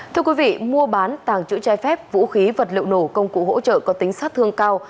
thưa quý vị mua bán tàng trữ trái phép vũ khí vật liệu nổ công cụ hỗ trợ có tính sát thương cao